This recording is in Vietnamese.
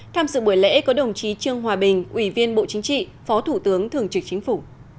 tham dự buổi lễ có đồng chí trương hòa bình ủy viên bộ chính trị phó thủ tướng thường trực chính phủ